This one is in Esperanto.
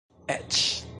eĉ